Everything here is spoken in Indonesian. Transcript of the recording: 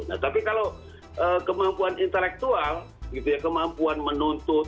nah tapi kalau kemampuan intelektual gitu ya kemampuan menuntut